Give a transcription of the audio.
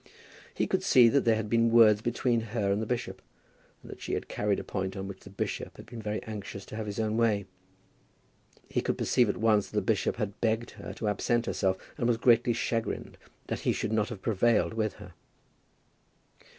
He could see that there had been words between her and the bishop, and that she had carried a point on which the bishop had been very anxious to have his own way. He could perceive at once that the bishop had begged her to absent herself and was greatly chagrined that he should not have prevailed with her.